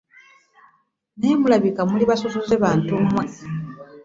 Naye mulabika muli basosoze bantu mmwe.